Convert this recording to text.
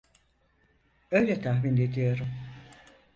Öyle tahmin ediyorum.